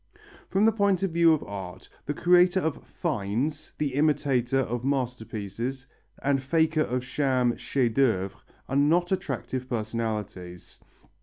From the point of view of art, the creator of "finds," the imitator of masterpieces, and faker of sham "chefs d'œuvre" are not attractive personalities.